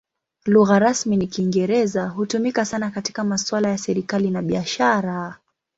Lugha rasmi ni Kiingereza; hutumika sana katika masuala ya serikali na biashara.